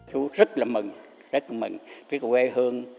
chú rất là mừng rất là mừng với quê hương